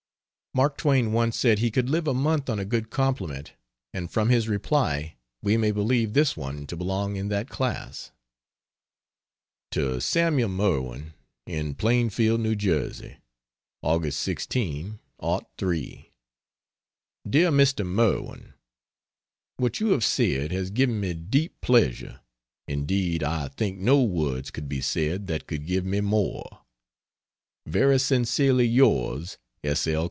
Mark Twain once said he could live a month on a good compliment, and from his reply, we may believe this one to belong in, that class. To Samuel Merwin, in Plainfield, N. J.: Aug. 16, '03. DEAR MR. MERWIN, What you have said has given me deep pleasure indeed I think no words could be said that could give me more. Very sincerely yours, S. L.